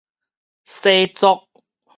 洗濯